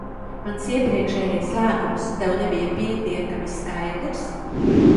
Mans iepriekšējais lēmums tev nebija pietiekami skaidrs?